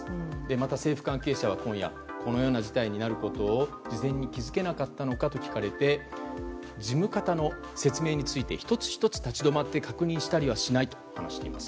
また、政府関係者は今夜このような事態になることを事前に気づけなかったのかと聞かれて事務方の説明について１つ１つ立ち止まって確認したりはしないと話しています。